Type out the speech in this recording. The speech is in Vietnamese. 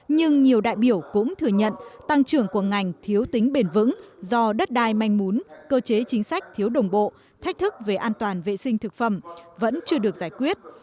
nhưng nhiều đại biểu cũng thừa nhận tăng trưởng của ngành thiếu tính bền vững do đất đai manh mún cơ chế chính sách thiếu đồng bộ thách thức về an toàn vệ sinh thực phẩm vẫn chưa được giải quyết